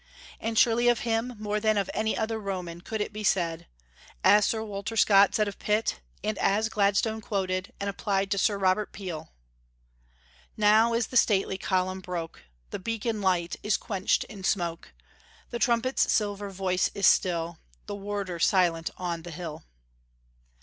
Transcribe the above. And surely of him, more than of any other Roman, could it be said, as Sir Walter Scott said of Pitt, and as Gladstone quoted, and applied to Sir Robert Peel, "Now is the stately column broke, The beacon light is quenched in smoke; The trumpet's silver voice is still, The warder silent on the hill."